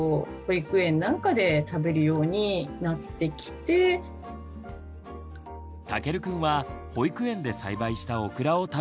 たけるくんは保育園で栽培したオクラを食べられるようになりました。